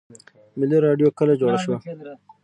ملي راډیو کله جوړه شوه؟